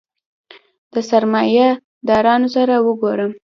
د سرمایه دارانو سره وګورم.